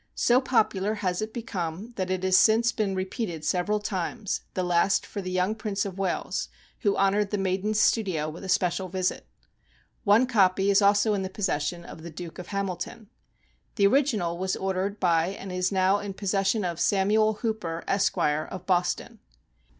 So popular has it become that it has since been repeated several times, the last time for the young Prince of Wales, who honored the maiden's studio with a special visit. One copy is also in possession of the Duke of Hamilton. The original was ordered by and is now in possession of Samuel Hooper, Esq., of Boston.